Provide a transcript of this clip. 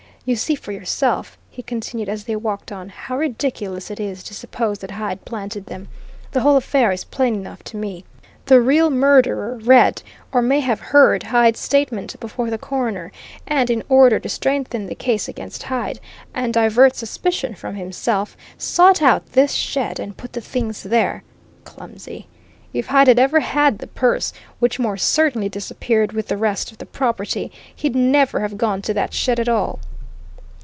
You see for yourself," he continued as they walked on, "how ridiculous it is to suppose that Hyde planted them. The whole affair is plain enough, to me. The real murderer read or may have heard Hyde's statement before the coroner, and in order to strengthen the case against Hyde and divert suspicion from himself, sought out this shed and put the things there. Clumsy! If Hyde had ever had the purse, which more certainly disappeared with the rest of the property, he'd never have gone to that shed at all."